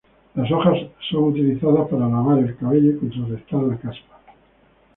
Las hojas son utilizadas para lavar el cabello y contrarrestar la caspa.